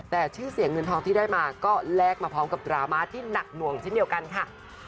แต่ชื่อเสียงเงินทองที่ได้มาก็แลกมาพร้อมกับดราม่าที่หนักหน่วงเช่นเดียวกันค่ะ